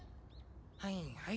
はいはい。